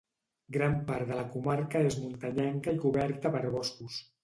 Gran part de la comarca és muntanyenca i coberta per boscos.